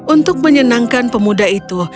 untuk menyenangkan pemuda itu